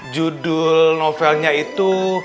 judul novelnya itu